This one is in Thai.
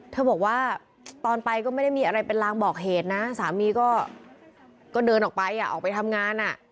เธอบอกว่าตอนไปก็ไม่ได้มีอะไรเป็นลางบอกเหตุนะสามีก็เดินออกไปออกไปทำงาน